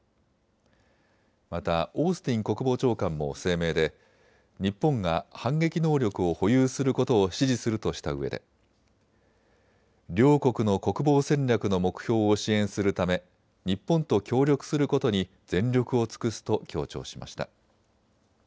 またオースティン国防長官も声明で日本が反撃能力を保有することを支持するとしたうえで両国の国防戦略の目標を支援するため日本と協力することに全力を尽くすと強調しました。